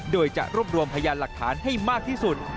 โดยจะรวบรวมพยานหลักฐานให้มากที่สุด